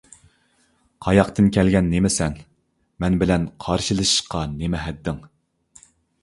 قاياقتىن كەلگەن نېمىسەن، مەن بىلەن قارشىلىشىشقا نېمە ھەددىڭ؟